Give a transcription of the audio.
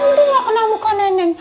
aduh gak kena muka neneng